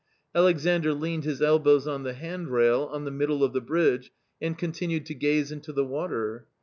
Alexandr leaned his elbows on the handrail on the middle of the bridge and continued to gaze into the water.